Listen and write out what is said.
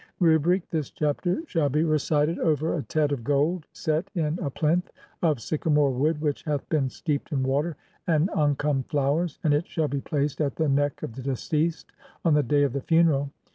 Rubric : [this chapter] shall be recited over a tet of gold SET IN (3) A PLINTH (?) OF SYCAMORE WOOD WHICH HATH BEEN STEEPED IN WATER OF ANKHAM FLOWERS, AND IT SHALL BE PLACED AT THE NECK OF THE DECEASED ON THE DAY OF THE FUNERAL.